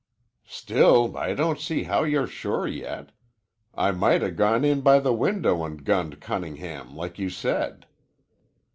"Still, I don't see how you're sure yet. I might 'a' gone in by the window an' gunned Cunningham like you said."